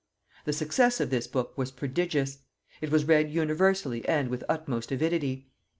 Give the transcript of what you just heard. The success of this book was prodigious; it was read universally and with the utmost avidity.